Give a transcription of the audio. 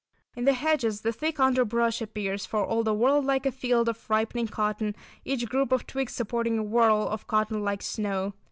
In the hedges the thick underbrush appears for all the world like a field of ripening cotton, each group of twigs supporting a whorl of cotton like snow.